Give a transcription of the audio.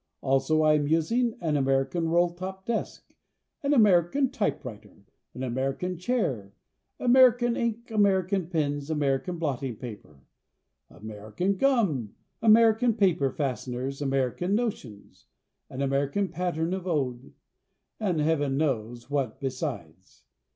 Also I am using An American roll top desk, An American typewriter, An American chair, American ink, American pens, American blotting paper, American gum, American paper fasteners, American notions, An American pattern of Ode, And Heaven knows what besides.